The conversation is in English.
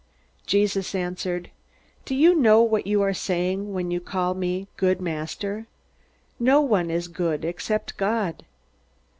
Jesus answered: "Do you know what you are saying when you call me 'Good Master'? No one is good except God."